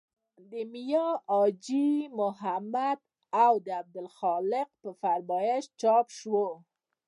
د میا حاجي محمد او عبدالخالق په فرمایش چاپ شو.